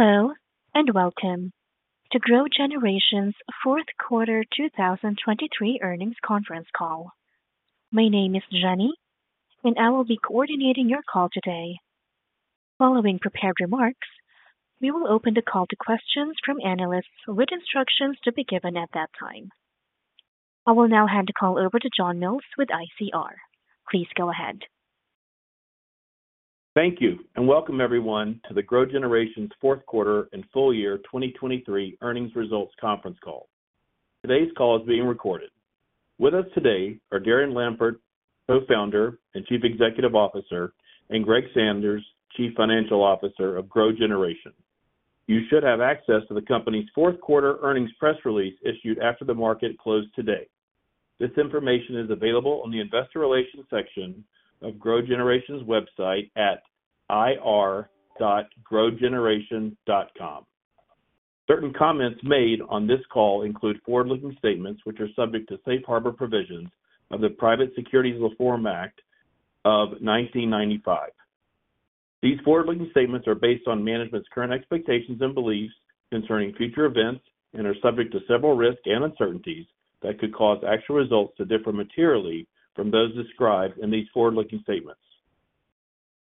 Hello and welcome to GrowGeneration's Fourth Quarter 2023 Earnings Conference Call. My name is Jenny, and I will be coordinating your call today. Following prepared remarks, we will open the call to questions from analysts with instructions to be given at that time. I will now hand the call over to John Mills with ICR. Please go ahead. Thank you, and welcome everyone to the GrowGeneration's Fourth Quarter and Full Year 2023 Earnings Results Conference Call. Today's call is being recorded. With us today are Darren Lampert, co-founder and Chief Executive Officer, and Greg Sanders, Chief Financial Officer of GrowGeneration. You should have access to the company's 4th quarter earnings press release issued after the market closed today. This information is available on the investor relations section of GrowGeneration's website at ir.growgeneration.com. Certain comments made on this call include forward-looking statements which are subject to safe harbor provisions of the Private Securities Reform Act of 1995. These forward-looking statements are based on management's current expectations and beliefs concerning future events and are subject to several risks and uncertainties that could cause actual results to differ materially from those described in these forward-looking statements.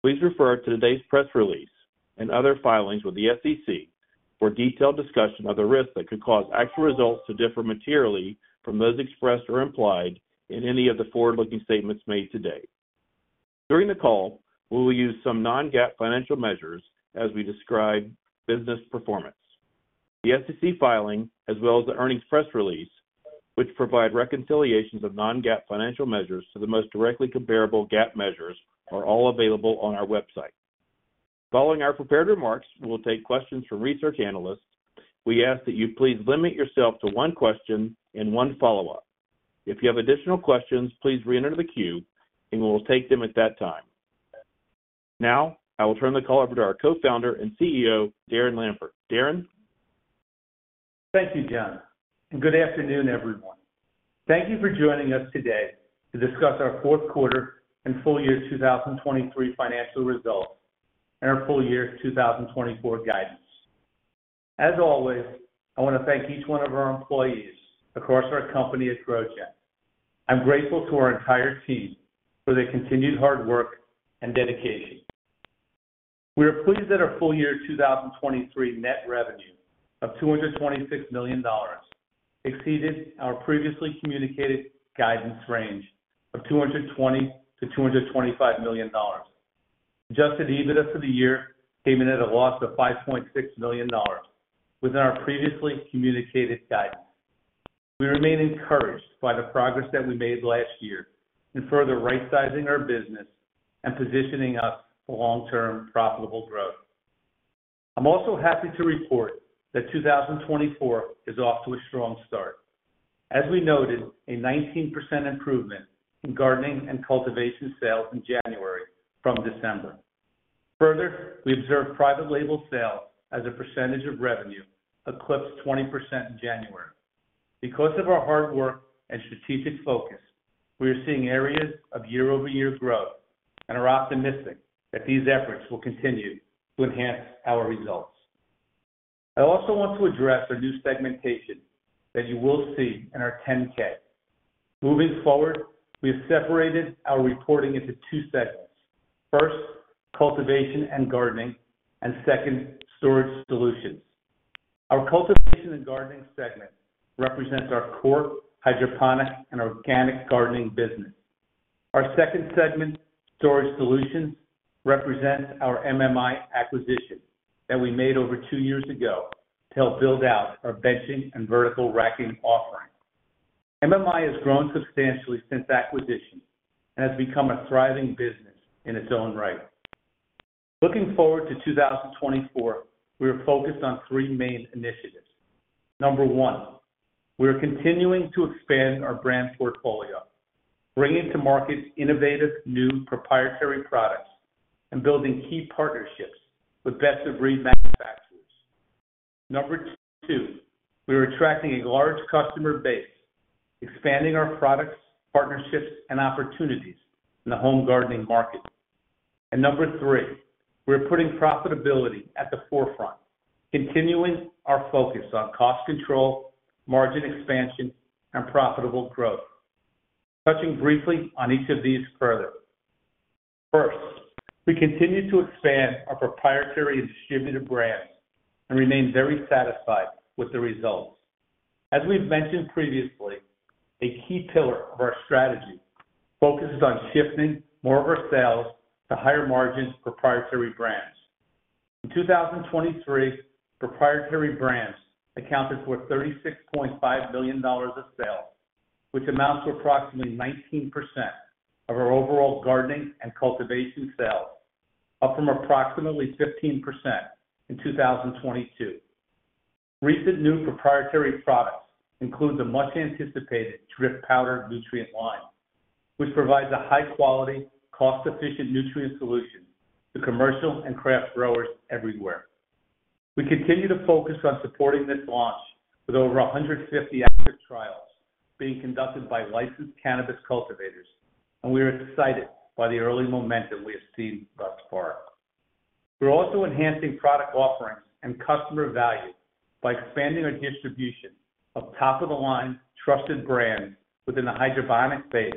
Please refer to today's press release and other filings with the SEC for detailed discussion of the risks that could cause actual results to differ materially from those expressed or implied in any of the forward-looking statements made today. During the call, we will use some non-GAAP financial measures as we describe business performance. The SEC filing, as well as the earnings press release, which provide reconciliations of non-GAAP financial measures to the most directly comparable GAAP measures, are all available on our website. Following our prepared remarks, we will take questions from research analysts. We ask that you please limit yourself to one question and one follow-up. If you have additional questions, please reenter the queue, and we will take them at that time. Now I will turn the call over to our co-founder and CEO, Darren Lampert. Darren. Thank you, John, and good afternoon, everyone. Thank you for joining us today to discuss our 4th quarter and full year 2023 financial results and our full year 2024 guidance. As always, I want to thank each one of our employees across our company at GrowGeneration. I'm grateful to our entire team for their continued hard work and dedication. We are pleased that our full year 2023 net revenue of $226 million exceeded our previously communicated guidance range of $220-$225 million. Adjusted EBITDA for the year came in at a loss of $5.6 million within our previously communicated guidance. We remain encouraged by the progress that we made last year in further right-sizing our business and positioning us for long-term profitable growth. I'm also happy to report that 2024 is off to a strong start, as we noted a 19% improvement in gardening and cultivation sales in January from December. Further, we observe private label sales as a percentage of revenue eclipse 20% in January. Because of our hard work and strategic focus, we are seeing areas of year-over-year growth and are optimistic that these efforts will continue to enhance our results. I also want to address our new segmentation that you will see in our 10-K. Moving forward, we have separated our reporting into two segments: first, cultivation and gardening, and second, storage solutions. Our cultivation and gardening segment represents our core hydroponic and organic gardening business. Our second segment, storage solutions, represents our MMI acquisition that we made over two years ago to help build out our benching and vertical racking offering. MMI has grown substantially since acquisition and has become a thriving business in its own right. Looking forward to 2024, we are focused on three main initiatives. Number one, we are continuing to expand our brand portfolio, bringing to market innovative new proprietary products and building key partnerships with best-of-breed manufacturers. Number two, we are attracting a large customer base, expanding our products, partnerships, and opportunities in the home gardening market. And number three, we are putting profitability at the forefront, continuing our focus on cost control, margin expansion, and profitable growth, touching briefly on each of these further. First, we continue to expand our proprietary and distributed brands and remain very satisfied with the results. As we've mentioned previously, a key pillar of our strategy focuses on shifting more of our sales to higher margin proprietary brands. In 2023, proprietary brands accounted for $36.5 million of sales, which amounts to approximately 19% of our overall gardening and cultivation sales, up from approximately 15% in 2022. Recent new proprietary products include the much-anticipated Drip Powdered Nutrient Line, which provides a high-quality, cost-efficient nutrient solution to commercial and craft growers everywhere. We continue to focus on supporting this launch with over 150 active trials being conducted by licensed cannabis cultivators, and we are excited by the early momentum we have seen thus far. We're also enhancing product offerings and customer value by expanding our distribution of top-of-the-line trusted brands within the hydroponic space.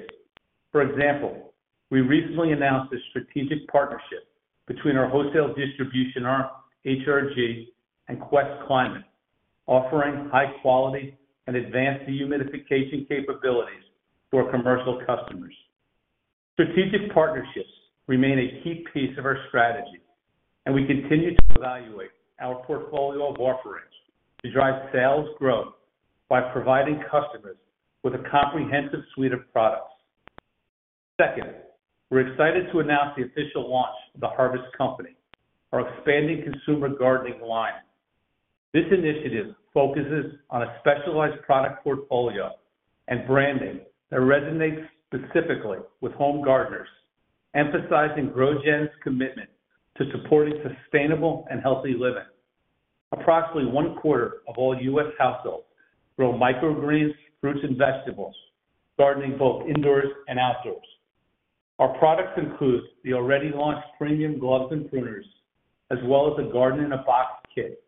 For example, we recently announced a strategic partnership between our wholesale distribution arm, HRG, and Quest Climate, offering high-quality and advanced dehumidification capabilities to our commercial customers. Strategic partnerships remain a key piece of our strategy, and we continue to evaluate our portfolio of offerings to drive sales growth by providing customers with a comprehensive suite of products. Second, we're excited to announce the official launch of The Harvest Company, our expanding consumer gardening line. This initiative focuses on a specialized product portfolio and branding that resonates specifically with home gardeners, emphasizing GrowGen's commitment to supporting sustainable and healthy living. Approximately 1/4 of all U.S. households grow microgreens, fruits, and vegetables, gardening both indoors and outdoors. Our products include the already launched premium gloves and pruners, as well as a Garden in a Box Kit,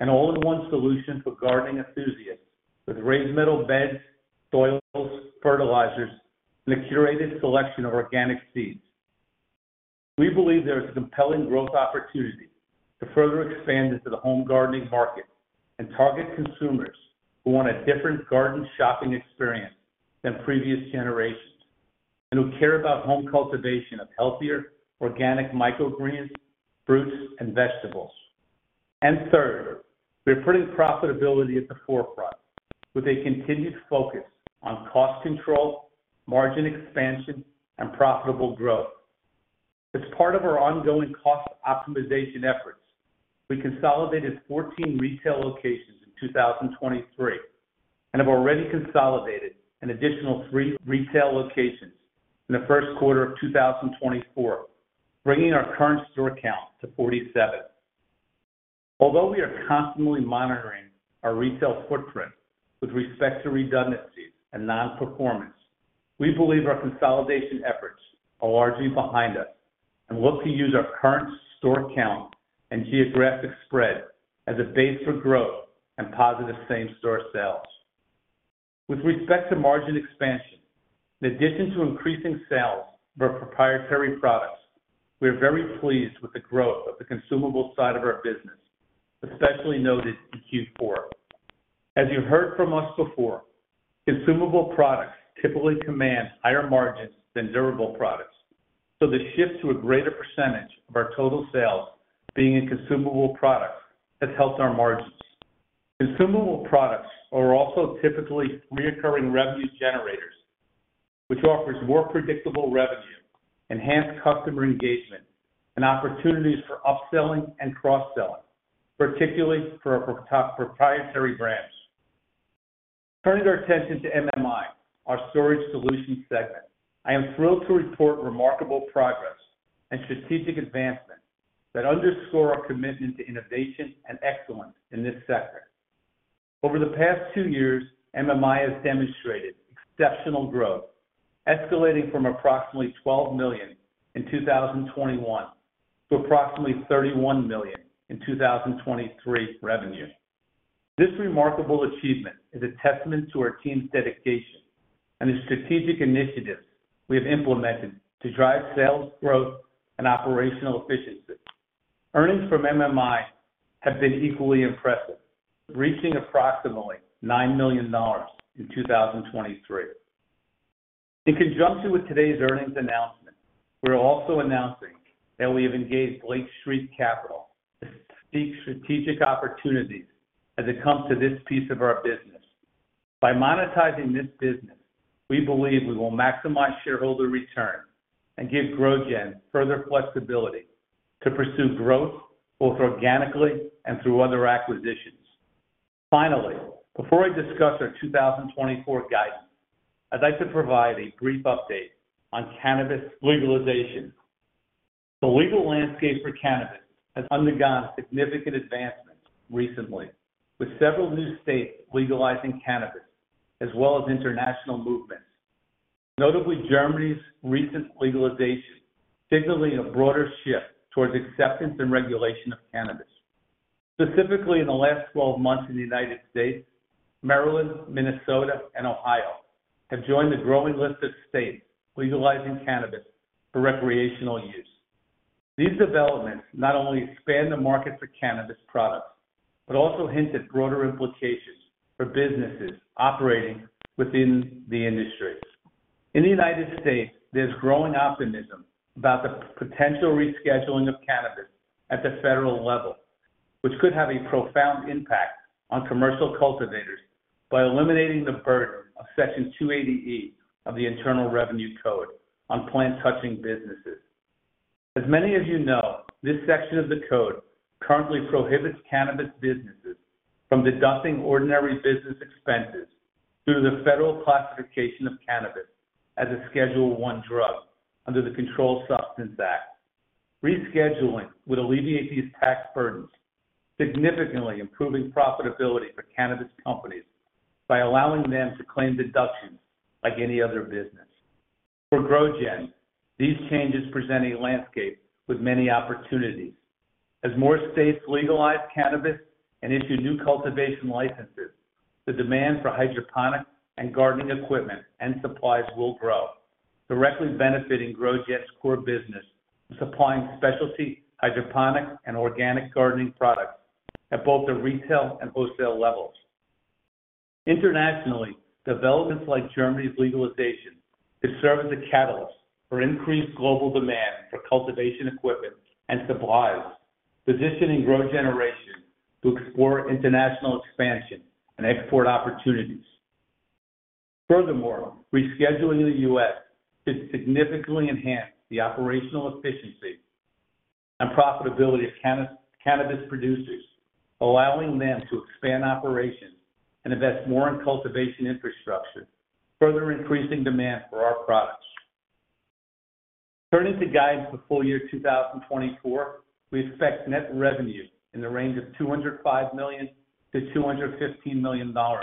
an all-in-one solution for gardening enthusiasts with raised metal beds, soils, fertilizers, and a curated selection of organic seeds. We believe there is a compelling growth opportunity to further expand into the home gardening market and target consumers who want a different garden shopping experience than previous generations and who care about home cultivation of healthier organic microgreens, fruits, and vegetables. And third, we are putting profitability at the forefront with a continued focus on cost control, margin expansion, and profitable growth. As part of our ongoing cost optimization efforts, we consolidated 14 retail locations in 2023 and have already consolidated an additional three retail locations in the first quarter of 2024, bringing our current store count to 47. Although we are constantly monitoring our retail footprint with respect to redundancies and non-performance, we believe our consolidation efforts are largely behind us and look to use our current store count and geographic spread as a base for growth and positive same-store sales. With respect to margin expansion, in addition to increasing sales of our proprietary products, we are very pleased with the growth of the consumable side of our business, especially noted in Q4. As you've heard from us before, consumable products typically command higher margins than durable products, so the shift to a greater percentage of our total sales being in consumable products has helped our margins. Consumable products are also typically recurring revenue generators, which offers more predictable revenue, enhanced customer engagement, and opportunities for upselling and cross-selling, particularly for our proprietary brands. Turning our attention to MMI, our storage solutions segment, I am thrilled to report remarkable progress and strategic advancements that underscore our commitment to innovation and excellence in this sector. Over the past two years, MMI has demonstrated exceptional growth, escalating from approximately $12 million in 2021 to approximately $31 million in 2023 revenue. This remarkable achievement is a testament to our team's dedication and the strategic initiatives we have implemented to drive sales growth and operational efficiency. Earnings from MMI have been equally impressive, reaching approximately $9 million in 2023. In conjunction with today's earnings announcement, we are also announcing that we have engaged Lake Street Capital Markets to seek strategic opportunities as it comes to this piece of our business. By monetizing this business, we believe we will maximize shareholder returns and give GrowGen further flexibility to pursue growth both organically and through other acquisitions. Finally, before I discuss our 2024 guidance, I'd like to provide a brief update on cannabis legalization. The legal landscape for cannabis has undergone significant advancements recently, with several new states legalizing cannabis as well as international movements, notably Germany's recent legalization signaling a broader shift towards acceptance and regulation of cannabis. Specifically, in the last 12 months in the United States, Maryland, Minnesota, and Ohio have joined the growing list of states legalizing cannabis for recreational use. These developments not only expand the market for cannabis products but also hint at broader implications for businesses operating within the industries. In the United States, there's growing optimism about the potential rescheduling of cannabis at the federal level, which could have a profound impact on commercial cultivators by eliminating the burden of Section 280E of the Internal Revenue Code on plant-touching businesses. As many of you know, this section of the code currently prohibits cannabis businesses from deducting ordinary business expenses due to the federal classification of cannabis as a Schedule I drug under the Controlled Substances Act. Rescheduling would alleviate these tax burdens, significantly improving profitability for cannabis companies by allowing them to claim deductions like any other business. For GrowGen, these changes present a landscape with many opportunities. As more states legalize cannabis and issue new cultivation licenses, the demand for hydroponic and gardening equipment and supplies will grow, directly benefiting GrowGen's core business in supplying specialty hydroponic and organic gardening products at both the retail and wholesale levels. Internationally, developments like Germany's legalization could serve as a catalyst for increased global demand for cultivation equipment and supplies, positioning GrowGeneration to explore international expansion and export opportunities. Furthermore, rescheduling the U.S. should significantly enhance the operational efficiency and profitability of cannabis producers, allowing them to expand operations and invest more in cultivation infrastructure, further increasing demand for our products. Turning to guidance for full year 2024, we expect net revenue in the range of $205 million-$215 million, an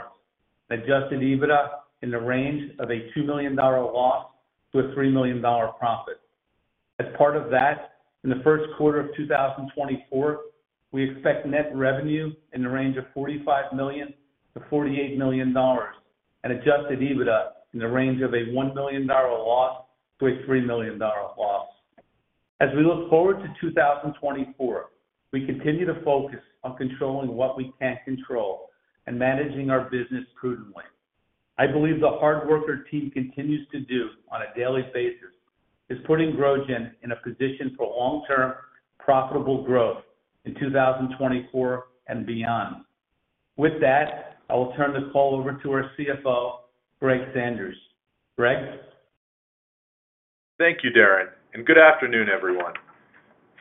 Adjusted EBITDA in the range of a $2 million loss to a $3 million profit. As part of that, in the first quarter of 2024, we expect net revenue in the range of $45 million-$48 million, an Adjusted EBITDA in the range of a $1 million-$3 million loss. As we look forward to 2024, we continue to focus on controlling what we can't control and managing our business prudently. I believe the hard work our team continues to do on a daily basis is putting GrowGen in a position for long-term profitable growth in 2024 and beyond. With that, I will turn the call over to our CFO, Greg Sanders. Greg? Thank you, Darren, and good afternoon, everyone.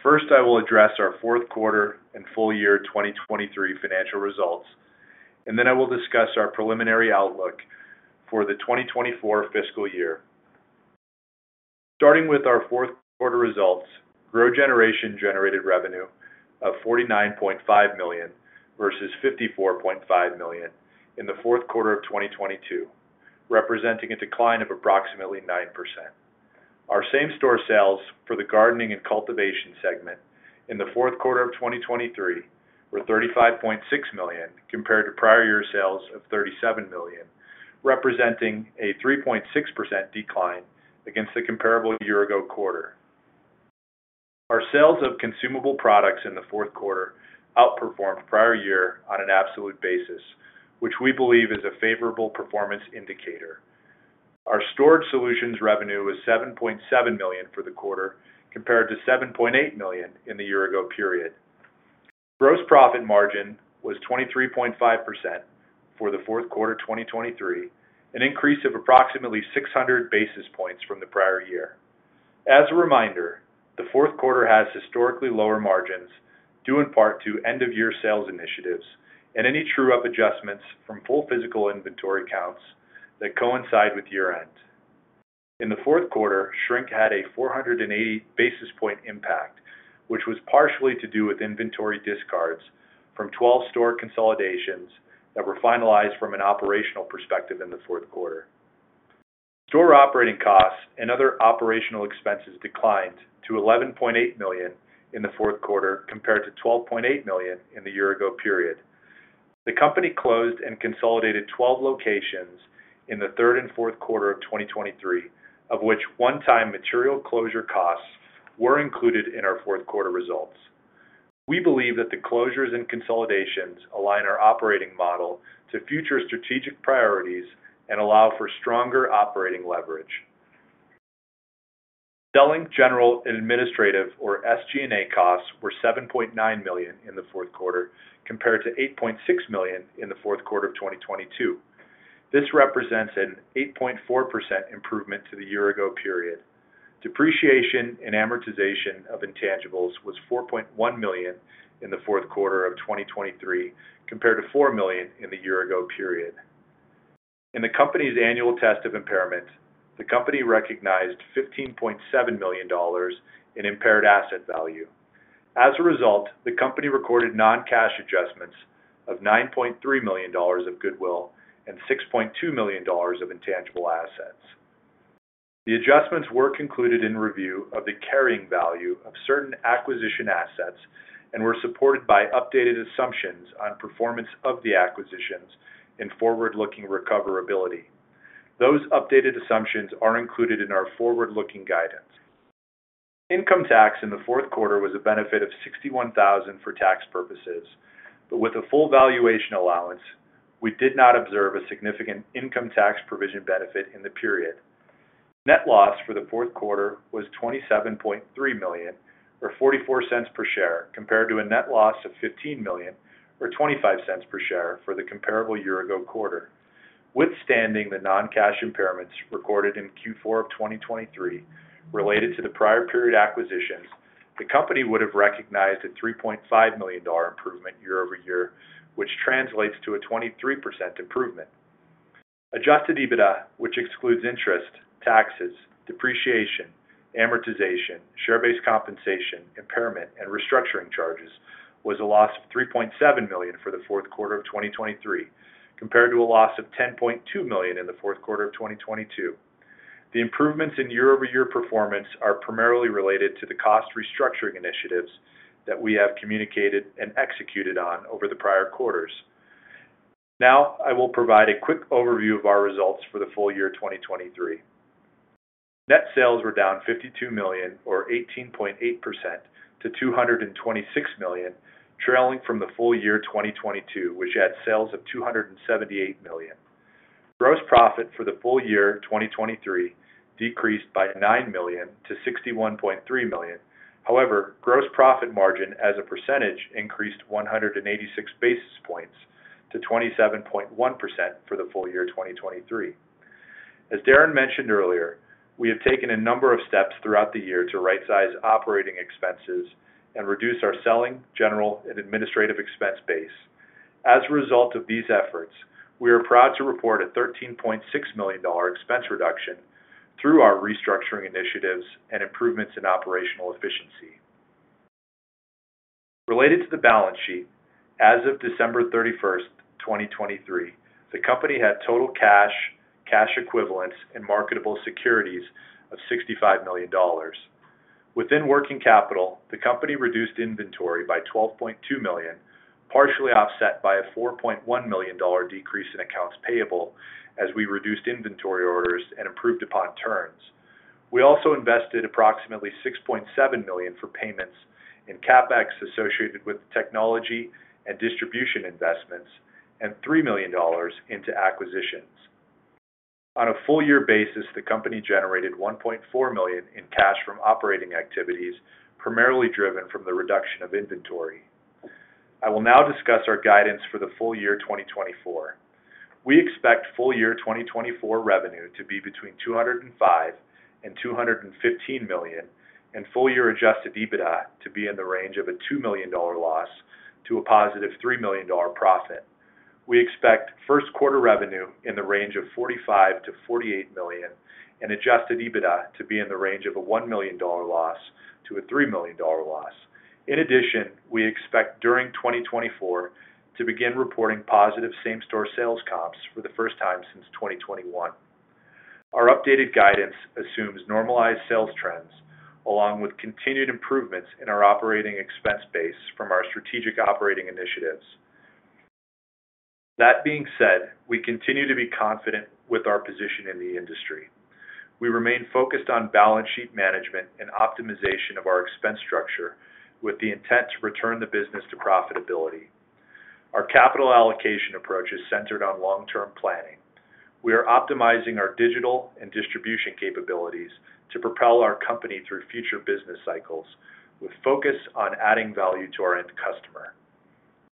First, I will address our fourth quarter and full year 2023 financial results, and then I will discuss our preliminary outlook for the 2024 fiscal year. Starting with our fourth quarter results, GrowGeneration generated revenue of $49.5 million versus $54.5 million in the fourth quarter of 2022, representing a decline of approximately 9%. Our same-store sales for the gardening and cultivation segment in the fourth quarter of 2023 were $35.6 million compared to prior year sales of $37 million, representing a 3.6% decline against the comparable year-ago quarter. Our sales of consumable products in the fourth quarter outperformed prior year on an absolute basis, which we believe is a favorable performance indicator. Our storage solutions revenue was $7.7 million for the quarter compared to $7.8 million in the year-ago period. Gross profit margin was 23.5% for the fourth quarter 2023, an increase of approximately 600 basis points from the prior year. As a reminder, the fourth quarter has historically lower margins due in part to end-of-year sales initiatives and any true-up adjustments from full physical inventory counts that coincide with year-end. In the fourth quarter, shrink had a 480 basis point impact, which was partially to do with inventory discards from 12 store consolidations that were finalized from an operational perspective in the fourth quarter. Store operating costs and other operational expenses declined to $11.8 million in the fourth quarter compared to $12.8 million in the year-ago period. The company closed and consolidated 12 locations in the third and fourth quarter of 2023, of which one-time material closure costs were included in our fourth quarter results. We believe that the closures and consolidations align our operating model to future strategic priorities and allow for stronger operating leverage. Selling general administrative, or SG&A, costs were $7.9 million in the fourth quarter compared to $8.6 million in the fourth quarter of 2022. This represents an 8.4% improvement to the year-ago period. Depreciation and amortization of intangibles was $4.1 million in the fourth quarter of 2023 compared to $4 million in the year-ago period. In the company's annual test of impairment, the company recognized $15.7 million in impaired asset value. As a result, the company recorded non-cash adjustments of $9.3 million of goodwill and $6.2 million of intangible assets. The adjustments were concluded in review of the carrying value of certain acquisition assets and were supported by updated assumptions on performance of the acquisitions in forward-looking recoverability. Those updated assumptions are included in our forward-looking guidance. Income tax in the fourth quarter was a benefit of $61,000 for tax purposes, but with a full valuation allowance, we did not observe a significant income tax provision benefit in the period. Net loss for the fourth quarter was $27.3 million, or $0.44 per share, compared to a net loss of $15 million, or $0.25 per share, for the comparable year-ago quarter. Withstanding the non-cash impairments recorded in Q4 of 2023 related to the prior period acquisitions, the company would have recognized a $3.5 million improvement year-over-year, which translates to a 23% improvement. Adjusted EBITDA, which excludes interest, taxes, depreciation, amortization, share-based compensation, impairment, and restructuring charges, was a loss of $3.7 million for the fourth quarter of 2023 compared to a loss of $10.2 million in the fourth quarter of 2022. The improvements in year-over-year performance are primarily related to the cost restructuring initiatives that we have communicated and executed on over the prior quarters. Now, I will provide a quick overview of our results for the full year 2023. Net sales were down $52 million, or 18.8%, to $226 million, trailing from the full year 2022, which had sales of $278 million. Gross profit for the full year 2023 decreased by $9 million to $61.3 million. However, gross profit margin, as a percentage, increased 186 basis points to 27.1% for the full year 2023. As Darren mentioned earlier, we have taken a number of steps throughout the year to right-size operating expenses and reduce our selling, general, and administrative expense base. As a result of these efforts, we are proud to report a $13.6 million expense reduction through our restructuring initiatives and improvements in operational efficiency. Related to the balance sheet, as of December 31st, 2023, the company had total cash, cash equivalents, and marketable securities of $65 million. Within working capital, the company reduced inventory by $12.2 million, partially offset by a $4.1 million decrease in accounts payable as we reduced inventory orders and improved upon turns. We also invested approximately $6.7 million for payments in CapEx associated with technology and distribution investments and $3 million into acquisitions. On a full-year basis, the company generated $1.4 million in cash from operating activities, primarily driven from the reduction of inventory. I will now discuss our guidance for the full year 2024. We expect full year 2024 revenue to be between $205 and $215 million, and full-year Adjusted EBITDA to be in the range of a $2 million loss to a positive $3 million profit. We expect first-quarter revenue in the range of $45 million-$48 million, and Adjusted EBITDA to be in the range of a $1 million-$3 million loss. In addition, we expect during 2024 to begin reporting positive same-store sales comps for the first time since 2021. Our updated guidance assumes normalized sales trends, along with continued improvements in our operating expense base from our strategic operating initiatives. That being said, we continue to be confident with our position in the industry. We remain focused on balance sheet management and optimization of our expense structure, with the intent to return the business to profitability. Our capital allocation approach is centered on long-term planning. We are optimizing our digital and distribution capabilities to propel our company through future business cycles, with focus on adding value to our end customer.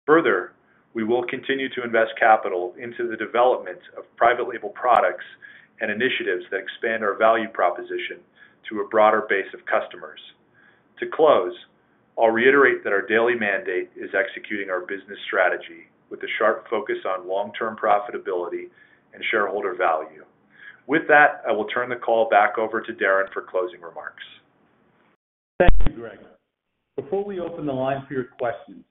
Further, we will continue to invest capital into the development of private-label products and initiatives that expand our value proposition to a broader base of customers. To close, I'll reiterate that our daily mandate is executing our business strategy with a sharp focus on long-term profitability and shareholder value. With that, I will turn the call back over to Darren for closing remarks. Thank you, Greg. Before we open the line for your questions,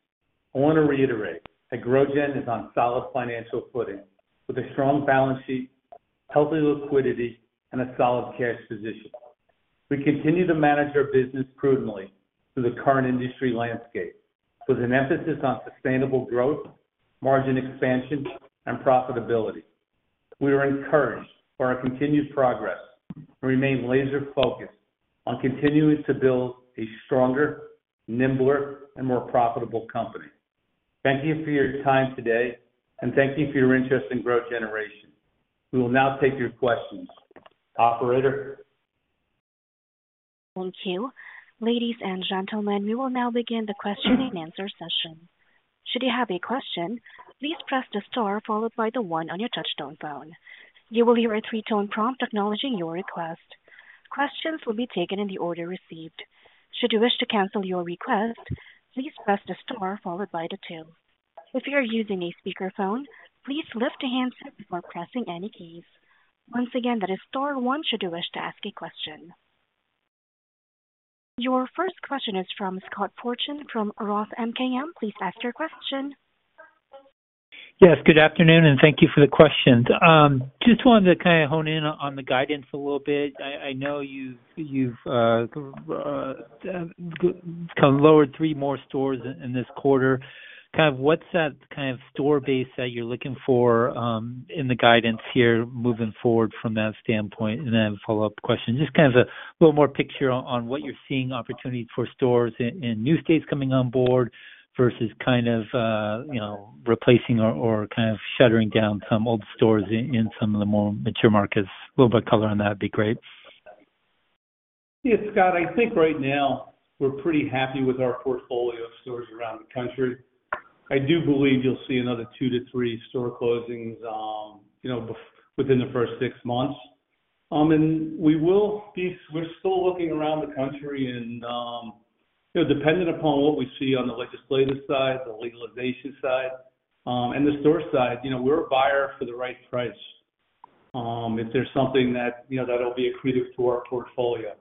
I want to reiterate that GrowGen is on solid financial footing with a strong balance sheet, healthy liquidity, and a solid cash position. We continue to manage our business prudently through the current industry landscape, with an emphasis on sustainable growth, margin expansion, and profitability. We are encouraged for our continued progress and remain laser-focused on continuing to build a stronger, nimbler, and more profitable company. Thank you for your time today, and thank you for your interest in GrowGeneration. We will now take your questions. Operator? Thank you. Ladies and gentlemen, we will now begin the question-and-answer session. Should you have a question, please press the star followed by the one on your touch-tone phone. You will hear a three-tone prompt acknowledging your request. Questions will be taken in the order received. Should you wish to cancel your request, please press the star followed by the two. If you are using a speakerphone, please lift the handset before pressing any keys. Once again, that is star one should you wish to ask a question. Your first question is from Scott Fortune from Roth MKM. Please ask your question. Yes, good afternoon, and thank you for the questions. Just wanted to kind of hone in on the guidance a little bit. I know you've lowered three more stores in this quarter. Kind of what's that kind of store base that you're looking for in the guidance here moving forward from that standpoint? And then follow-up question, just kind of a little more picture on what you're seeing: opportunities for stores in new states coming on board versus kind of replacing or kind of shuttering down some old stores in some of the more mature markets. A little bit of color on that would be great? Yes, Scott. I think right now we're pretty happy with our portfolio of stores around the country. I do believe you'll see another two to three store closings within the first six months. We're still looking around the country, and dependent upon what we see on the legislative side, the legalization side, and the store side, we're a buyer for the right price if there's something that'll be accretive to our portfolio.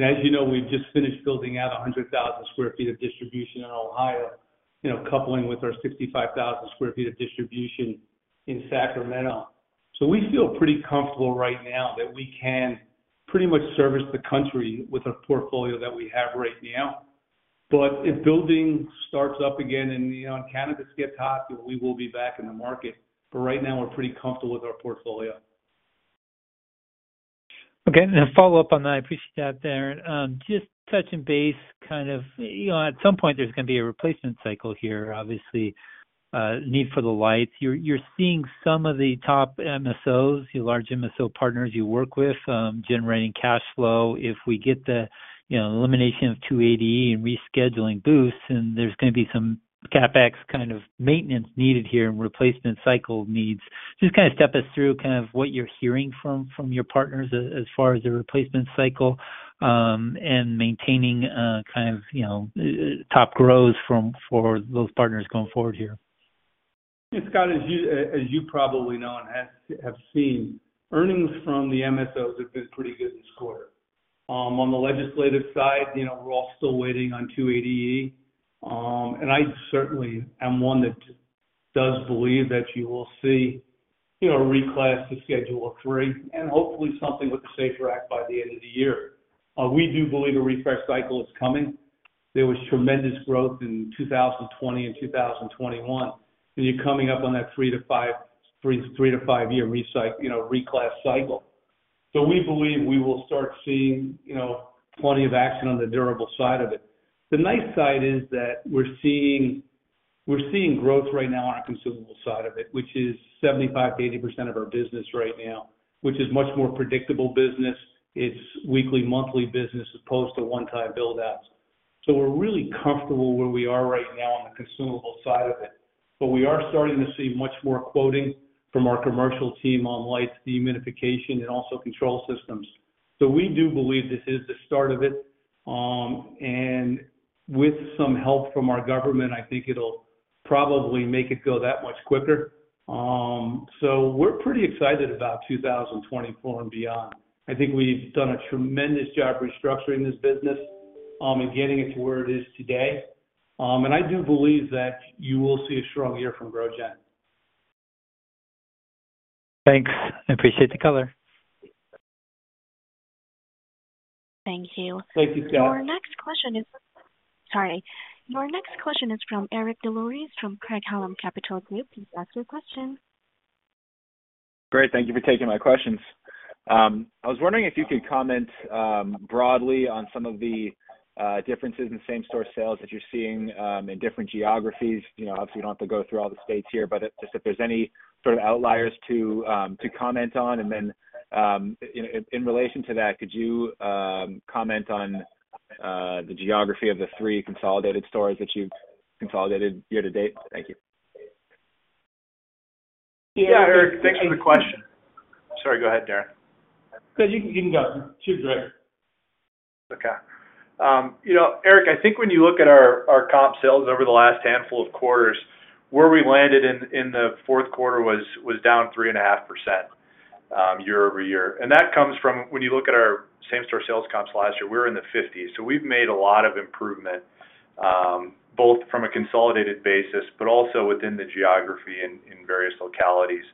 As you know, we've just finished building out 100,000 sq ft of distribution in Ohio, coupling with our 65,000 sq ft of distribution in Sacramento. We feel pretty comfortable right now that we can pretty much service the country with our portfolio that we have right now. If building starts up again and cannabis gets hot, we will be back in the market. Right now, we're pretty comfortable with our portfolio. Okay. And then follow-up on that. I appreciate that, Darren: just touching base, kind of at some point, there's going to be a replacement cycle here, obviously, need for the lights. You're seeing some of the top MSOs, your large MSO partners you work with, generating cash flow. If we get the elimination of 280E and rescheduling boosts, then there's going to be some CapEx kind of maintenance needed here and replacement cycle needs. Just kind of step us through kind of what you're hearing from your partners as far as the replacement cycle and maintaining kind of top growth for those partners going forward here. Yes, Scott, as you probably know and have seen, earnings from the MSOs have been pretty good this quarter. On the legislative side, we're all still waiting on 280E. I certainly am one that does believe that you will see a reclass to Schedule III and hopefully something with the SAFER Act by the end of the year. We do believe a refresh cycle is coming. There was tremendous growth in 2020 and 2021, and you're coming up on that three to five year reclass cycle. We believe we will start seeing plenty of action on the durable side of it. The nice side is that we're seeing growth right now on our consumable side of it, which is 75%-80% of our business right now, which is much more predictable business. It's weekly, monthly business as opposed to one-time buildouts. We're really comfortable where we are right now on the consumable side of it. We are starting to see much more quoting from our commercial team on lights, dehumidification, and also control systems. We do believe this is the start of it. With some help from our government, I think it'll probably make it go that much quicker. We're pretty excited about 2024 and beyond. I think we've done a tremendous job restructuring this business and getting it to where it is today. I do believe that you will see a strong year from GrowGen. Thanks. I appreciate the color. Thank you. Thank you, Scott. Your next question is, sorry. Your next question is from Eric Des Lauriers from Craig-Hallum Capital Group. Please ask your question. Great. Thank you for taking my questions. I was wondering if you could comment broadly on some of the differences in same-store sales that you're seeing in different geographies. Obviously, we don't have to go through all the states here, but just if there's any sort of outliers to comment on. Then in relation to that, could you comment on the geography of the three consolidated stores that you've consolidated year to date? Thank you. Yeah, Eric, thanks for the question. Sorry, go ahead, Darren. Good. You can go. Sure, Greg. Okay. Eric, I think when you look at our comp sales over the last handful of quarters, where we landed in the fourth quarter was down 3.5% year-over-year. That comes from when you look at our same-store sales comps last year, we were in the 50s. So we've made a lot of improvement both from a consolidated basis but also within the geography in various localities.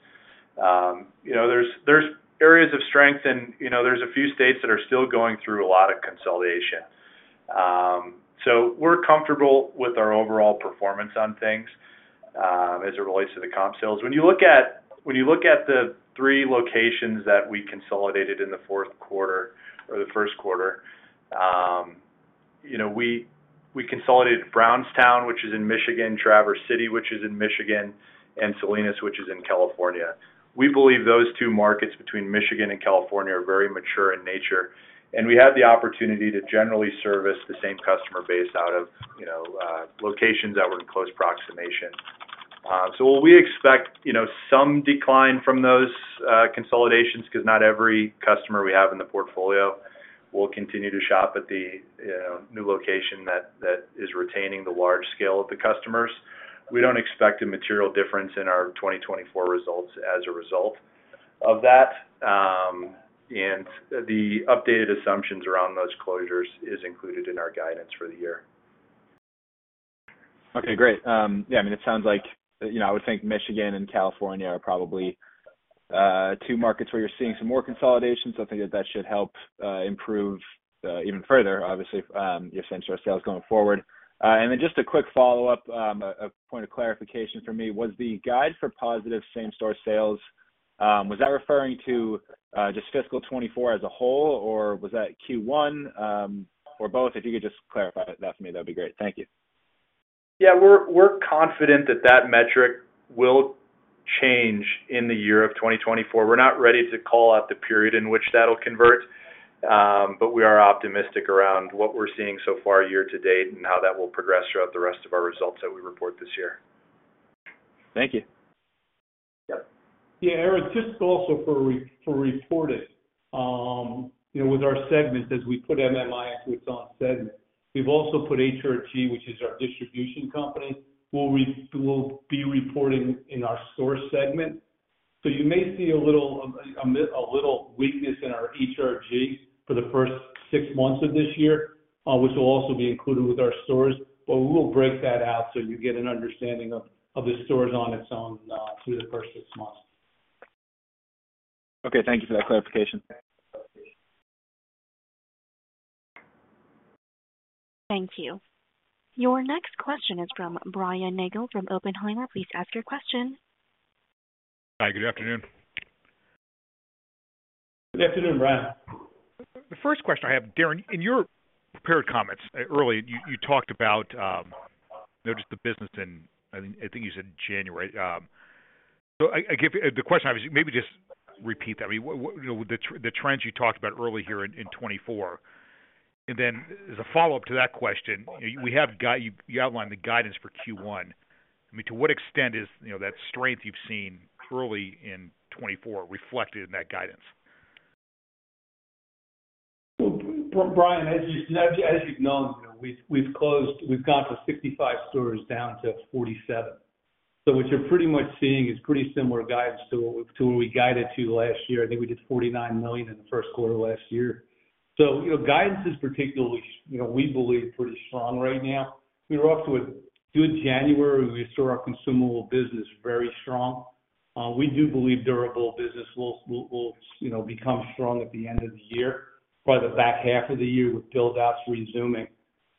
There's areas of strength, and there's a few states that are still going through a lot of consolidation. So we're comfortable with our overall performance on things as it relates to the comp sales. When you look at the three locations that we consolidated in the fourth quarter or the first quarter, we consolidated Brownstown, which is in Michigan, Traverse City, which is in Michigan, and Salinas, which is in California. We believe those two markets between Michigan and California are very mature in nature. We had the opportunity to generally service the same customer base out of locations that were in close proximity. We expect some decline from those consolidations because not every customer we have in the portfolio will continue to shop at the new location that is retaining the large scale of the customers. We don't expect a material difference in our 2024 results as a result of that. The updated assumptions around those closures are included in our guidance for the year. Okay. Great. Yeah. I mean, it sounds like I would think Michigan and California are probably two markets where you're seeing some more consolidation. So I think that that should help improve even further, obviously, your same-store sales going forward. And then just a quick follow-up, a point of clarification for me: was the guide for positive same-store sales, was that referring to just fiscal 2024 as a whole, or was that Q1 or both? If you could just clarify that for me, that would be great. Thank you. Yeah. We're confident that that metric will change in the year of 2024. We're not ready to call out the period in which that'll convert, but we are optimistic around what we're seeing so far year to date and how that will progress throughout the rest of our results that we report this year. Thank you. Yeah. Eric, just also for reporting, with our segments, as we put MMI into its own segment, we've also put HRG, which is our distribution company, will be reporting in our store segment. So you may see a little weakness in our HRG for the first six months of this year, which will also be included with our stores. But we will break that out so you get an understanding of the stores on its own through the first six months. Okay. Thank you for that clarification. Thank you. Your next question is from Brian Nagel from Oppenheimer. Please ask your question. Hi. Good afternoon. Good afternoon, Brian. The first question I have, Darren, in your prepared comments earlier, you talked about just the business in—I think you said—January. So the question I have is maybe just repeat that. I mean, the trends you talked about earlier here in 2024. And then as a follow-up to that question, you outlined the guidance for Q1. I mean, to what extent is that strength you've seen early in 2024 reflected in that guidance? Brian, as you've known, we've gone from 65 stores down to 47. So what you're pretty much seeing is pretty similar guidance to where we guided to last year. I think we did $49 million in the first quarter last year. So guidance is particularly we believe pretty strong right now. We were off to a good January. We saw our consumable business very strong. We do believe durable business will become strong at the end of the year, probably the back half of the year with buildouts resuming.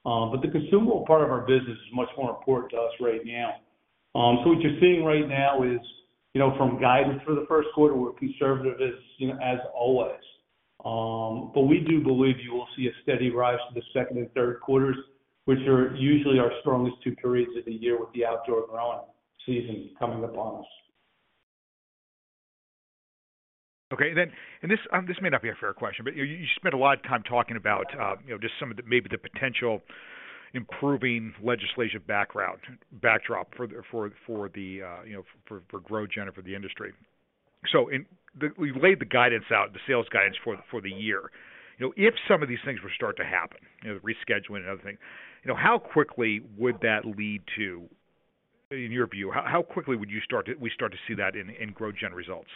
But the consumable part of our business is much more important to us right now. So what you're seeing right now is from guidance for the first quarter, we're conservative as always. But we do believe you will see a steady rise to the second and third quarters, which are usually our strongest two periods of the year with the outdoor growing season coming upon us. Okay. This may not be a fair question, but you spent a lot of time talking about just some of maybe the potential improving legislative backdrop for GrowGeneration for the industry. So you laid the guidance out, the sales guidance for the year. If some of these things were to start to happen, the rescheduling and other things, how quickly would that lead to in your view? How quickly would we start to see that in GrowGeneration results?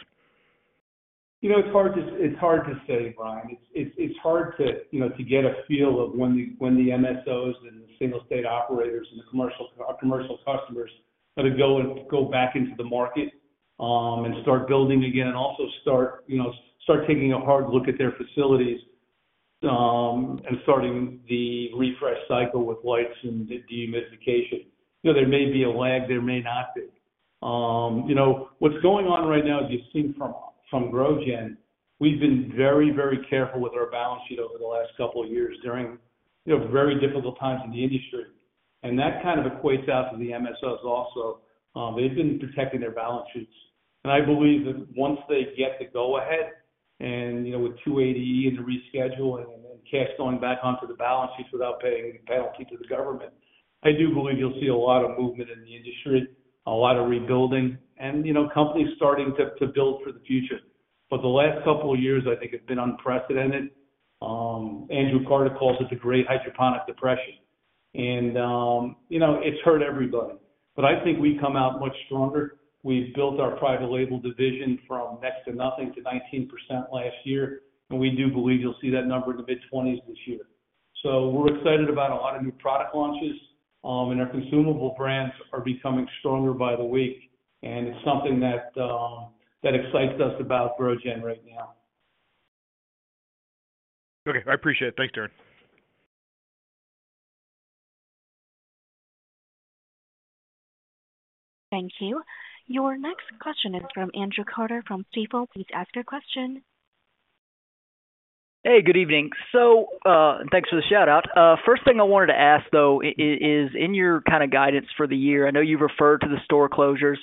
It's hard to say, Brian. It's hard to get a feel of when the MSOs and the single-state operators and the commercial customers are going to go back into the market and start building again and also start taking a hard look at their facilities and starting the refresh cycle with lights and dehumidification. There may be a lag. There may not be. What's going on right now, as you've seen from GrowGen, we've been very, very careful with our balance sheet over the last couple of years during very difficult times in the industry. That kind of equates out to the MSOs also. They've been protecting their balance sheets. I believe that once they get the go-ahead with 280E and the rescheduling and then cash going back onto the balance sheets without paying any penalty to the government, I do believe you'll see a lot of movement in the industry, a lot of rebuilding, and companies starting to build for the future. But the last couple of years, I think, have been unprecedented. Andrew Carter calls it the Great Hydroponic Depression. And it's hurt everybody. But I think we come out much stronger. We've built our private label division from next to nothing to 19% last year. And we do believe you'll see that number in the mid-20s this year. So we're excited about a lot of new product launches. And our consumable brands are becoming stronger by the week. And it's something that excites us about GrowGen right now. Okay. I appreciate it. Thanks, Darren. Thank you. Your next question is from Andrew Carter from Stifel. Please ask your question. Hey, good evening. So thanks for the shout-out. First thing I wanted to ask, though, is in your kind of guidance for the year, I know you referred to the store closures,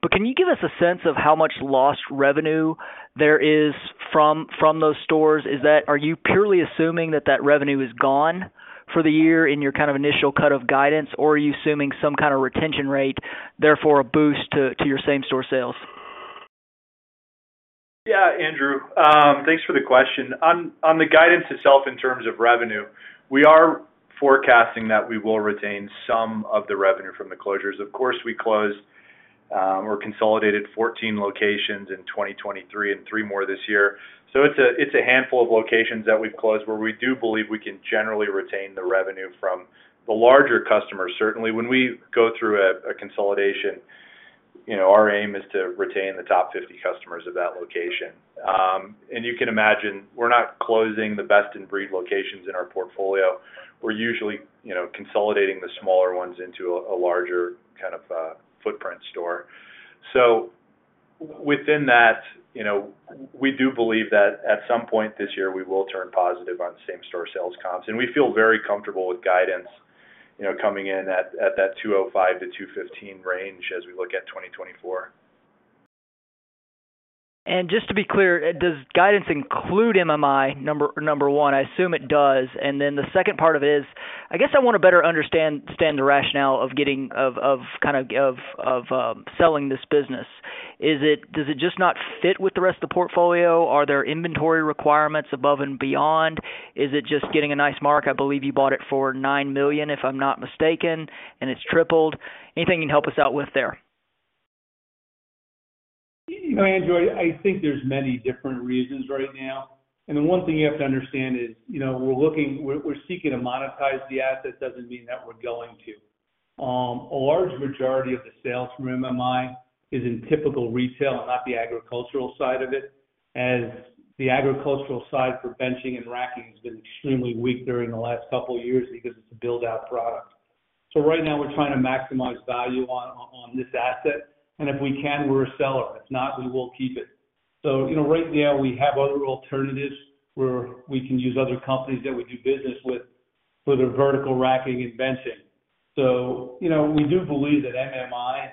but can you give us a sense of how much lost revenue there is from those stores? Are you purely assuming that that revenue is gone for the year in your kind of initial cut of guidance, or are you assuming some kind of retention rate, therefore a boost to your same-store sales? Yeah, Andrew. Thanks for the question. On the guidance itself in terms of revenue, we are forecasting that we will retain some of the revenue from the closures. Of course, we closed or consolidated 14 locations in 2023 and three more this year. So it's a handful of locations that we've closed where we do believe we can generally retain the revenue from the larger customers, certainly. When we go through a consolidation, our aim is to retain the top 50 customers of that location. And you can imagine, we're not closing the best-in-breed locations in our portfolio. We're usually consolidating the smaller ones into a larger kind of footprint store. So within that, we do believe that at some point this year, we will turn positive on same-store sales comps. We feel very comfortable with guidance coming in at that $205-$215 range as we look at 2024. Just to be clear, does guidance include MMI, number one? I assume it does. Then the second part of it is, I guess I want to better understand the rationale of kind of selling this business. Does it just not fit with the rest of the portfolio? Are there inventory requirements above and beyond? Is it just getting a nice mark? I believe you bought it for $9 million, if I'm not mistaken, and it's tripled. Anything you can help us out with there? Andrew, I think there's many different reasons right now. And the one thing you have to understand is we're seeking to monetize the asset doesn't mean that we're going to. A large majority of the sales from MMI is in typical retail and not the agricultural side of it, as the agricultural side for benching and racking has been extremely weak during the last couple of years because it's a buildout product. So right now, we're trying to maximize value on this asset. And if we can, we're a seller. If not, we will keep it. So right now, we have other alternatives where we can use other companies that we do business with for their vertical racking and benching. So we do believe that MMI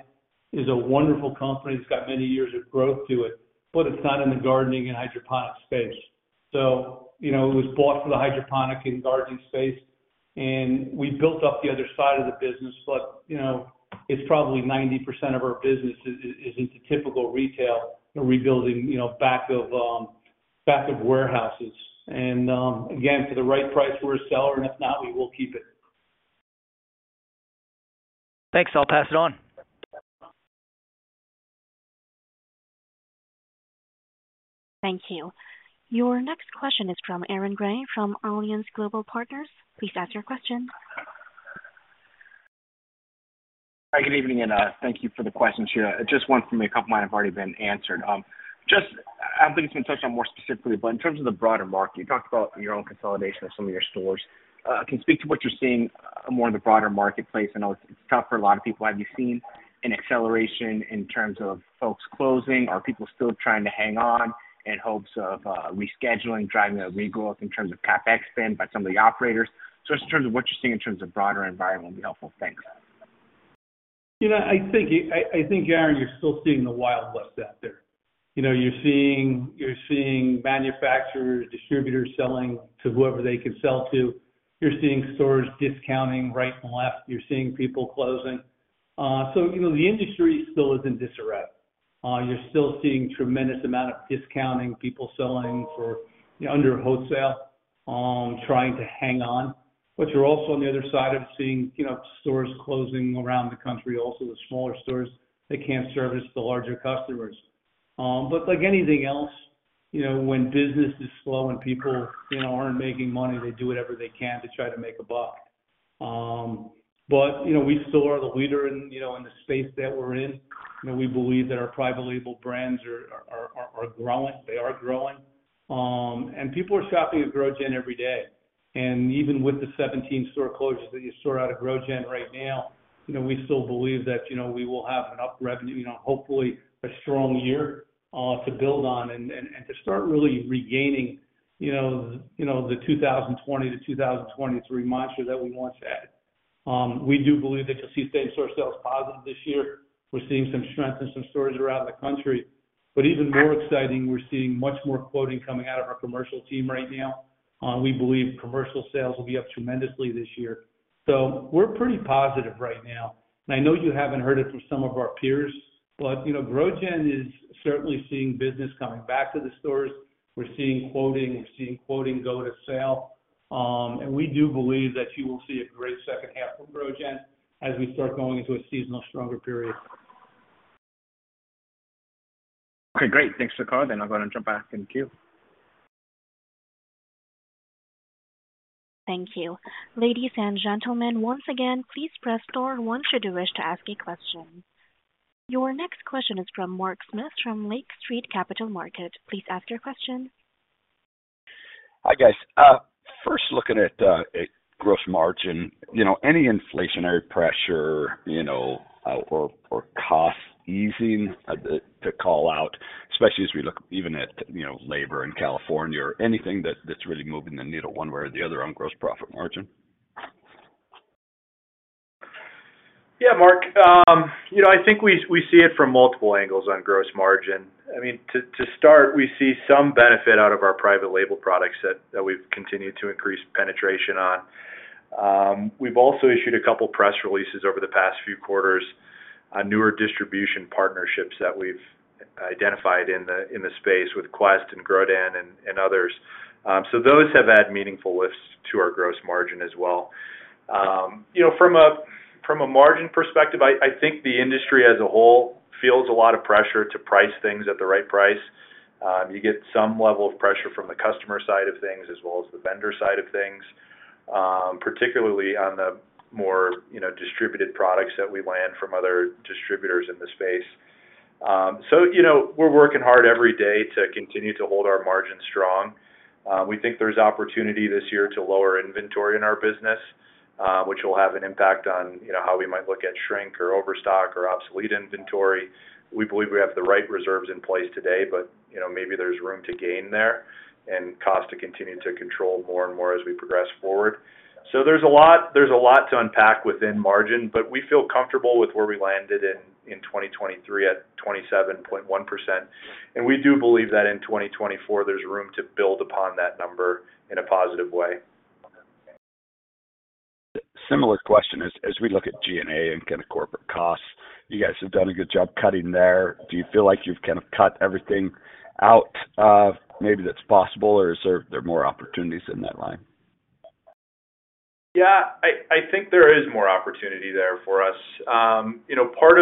is a wonderful company. It's got many years of growth to it, but it's not in the gardening and hydroponic space. It was bought for the hydroponic and gardening space. We built up the other side of the business, but it's probably 90% of our business is into typical retail, racking back of warehouses. Again, for the right price, we're a seller. If not, we will keep it. Thanks. I'll pass it on. Thank you. Your next question is from Aaron Grey from Alliance Global Partners. Please ask your question. Hi. Good evening, and thank you for the questions here. Just one for me. A couple might have already been answered. I don't think it's been touched on more specifically, but in terms of the broader market, you talked about your own consolidation of some of your stores. Can you speak to what you're seeing more in the broader marketplace? I know it's tough for a lot of people. Have you seen an acceleration in terms of folks closing? Are people still trying to hang on in hopes of rescheduling, driving a regrowth in terms of CapEx spend by some of the operators? Just in terms of what you're seeing in terms of broader environment would be helpful. Thanks. I think, Aaron, you're still seeing the wild west out there. You're seeing manufacturers, distributors selling to whoever they can sell to. You're seeing stores discounting right and left. You're seeing people closing. So the industry still is in disarray. You're still seeing a tremendous amount of discounting, people selling under wholesale, trying to hang on. But you're also, on the other side, seeing stores closing around the country, also the smaller stores. They can't service the larger customers. But like anything else, when business is slow, when people aren't making money, they do whatever they can to try to make a buck. But we still are the leader in the space that we're in. We believe that our private label brands are growing. They are growing. And people are shopping at GrowGen every day. Even with the 17 store closures that you saw out of GrowGen right now, we still believe that we will have an up revenue, hopefully a strong year to build on and to start really regaining the 2020 to 2023 monster that we once had. We do believe that you'll see same-store sales positive this year. We're seeing some strength in some stores around the country. Even more exciting, we're seeing much more quoting coming out of our commercial team right now. We believe commercial sales will be up tremendously this year. We're pretty positive right now. I know you haven't heard it from some of our peers, but GrowGen is certainly seeing business coming back to the stores. We're seeing quoting. We're seeing quoting go to sale. We do believe that you will see a great second half from GrowGen as we start going into a seasonal, stronger period. Okay. Great. Thanks for the color. I'm going to jump back in queue. Thank you. Ladies and gentlemen, once again, please press star one if you wish to ask a question. Your next question is from Mark Smith from Lake Street Capital Markets. Please ask your question. Hi, guys. First, looking at gross margin, any inflationary pressure or cost easing to call out, especially as we look even at labor in California or anything that's really moving the needle one way or the other on gross profit margin? Yeah, Mark. I think we see it from multiple angles on gross margin. I mean, to start, we see some benefit out of our private label products that we've continued to increase penetration on. We've also issued a couple of press releases over the past few quarters on newer distribution partnerships that we've identified in the space with Quest and Grodan and others. So those have had meaningful lifts to our gross margin as well. From a margin perspective, I think the industry as a whole feels a lot of pressure to price things at the right price. You get some level of pressure from the customer side of things as well as the vendor side of things, particularly on the more distributed products that we land from other distributors in the space. So we're working hard every day to continue to hold our margins strong. We think there's opportunity this year to lower inventory in our business, which will have an impact on how we might look at shrink or overstock or obsolete inventory. We believe we have the right reserves in place today, but maybe there's room to gain there and cost to continue to control more and more as we progress forward. So there's a lot to unpack within margin, but we feel comfortable with where we landed in 2023 at 27.1%. We do believe that in 2024, there's room to build upon that number in a positive way. Similar question. As we look at G&A and kind of corporate costs, you guys have done a good job cutting there. Do you feel like you've kind of cut everything out maybe that's possible, or is there more opportunities in that line? Yeah, I think there is more opportunity there for us. Part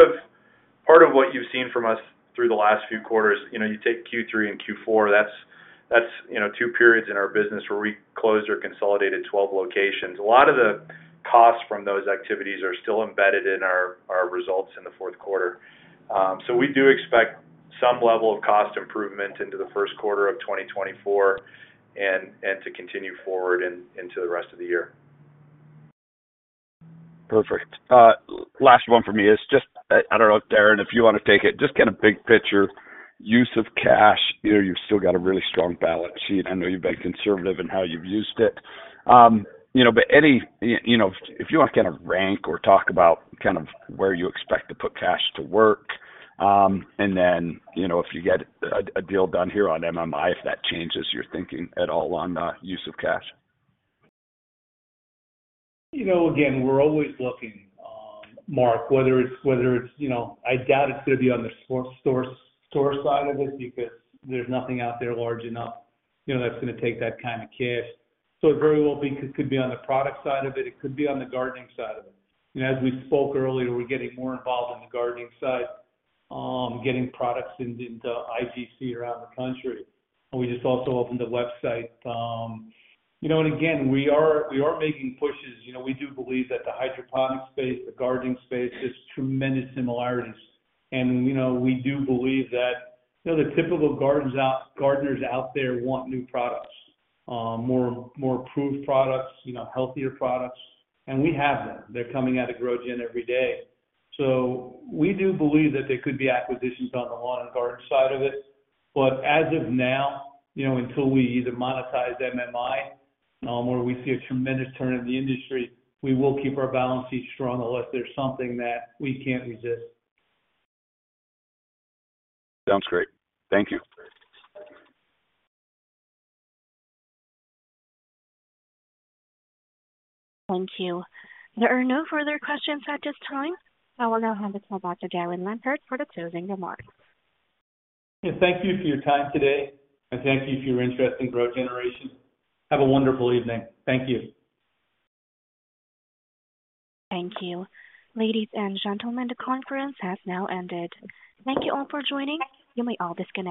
of what you've seen from us through the last few quarters, you take Q3 and Q4, that's two periods in our business where we closed or consolidated 12 locations. A lot of the costs from those activities are still embedded in our results in the fourth quarter. So we do expect some level of cost improvement into the first quarter of 2024 and to continue forward into the rest of the year. Perfect. Last one for me is just I don't know if, Darren, if you want to take it, just kind of big picture, use of cash. You've still got a really strong balance sheet. I know you've been conservative in how you've used it. But if you want to kind of rank or talk about kind of where you expect to put cash to work and then if you get a deal done here on MMI, if that changes your thinking at all on use of cash. Again, we're always looking, Mark, whether it's—I doubt it's going to be on the store side of it because there's nothing out there large enough that's going to take that kind of cash. So it very well could be on the product side of it. It could be on the gardening side of it. As we spoke earlier, we're getting more involved in the gardening side, getting products into IGC around the country. And we just also opened a website. And again, we are making pushes. We do believe that the hydroponic space, the gardening space, there's tremendous similarities. And we do believe that the typical gardeners out there want new products, more proven products, healthier products. And we have them. They're coming out of GrowGen every day. So we do believe that there could be acquisitions on the lawn and garden side of it. But as of now, until we either monetize MMI or we see a tremendous turn in the industry, we will keep our balance sheet strong unless there's something that we can't resist. Sounds great. Thank you. Thank you. There are no further questions at this time. I will now hand the call back to Darren Lampert for the closing remarks. Thank you for your time today. Thank you for your interest in GrowGeneration. Have a wonderful evening. Thank you. Thank you. Ladies and gentlemen, the conference has now ended. Thank you all for joining. You may all disconnect.